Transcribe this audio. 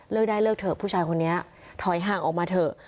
ได้เลิกเถอะผู้ชายคนนี้ถอยห่างออกมาเถอะ